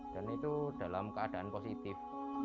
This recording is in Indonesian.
dan itu dalam keadaan positif